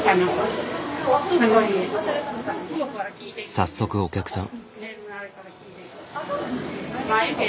早速お客さん。